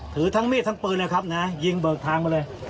ถือทั้งมีดทั้งปืนนะครับนะยิงเบิกทางมาเลย